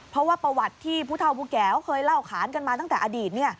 เพราะว่าประวัติที่ผู้เท่าผู้แก่เขาเคยเล่าขานกันมาตั้งแต่อดีต